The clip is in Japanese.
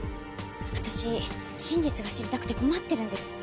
私真実が知りたくて困ってるんです。